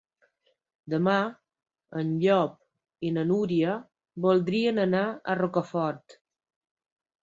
Demà en Llop i na Núria voldrien anar a Rocafort.